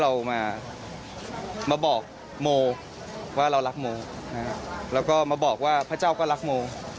เรามาบอกโมว่าเรารักโมแล้วก็มาบอกว่าพระเจ้าก็รักโม